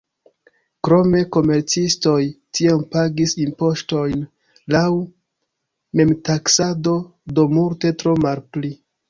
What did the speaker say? Krome komercistoj tiam pagis impoŝtojn laŭ memtaksado, do multe tro malpli.